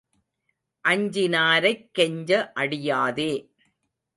அஞ்சினாரைக் கெஞ்ச அடியாதே.